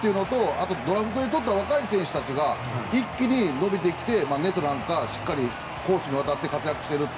あとはドラフトでとった若い選手たちが一気に伸びてきてネトなんか、しっかり攻守にわたって活躍していて。